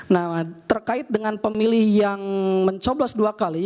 nah terkait dengan pemilih yang mencoblos dua kali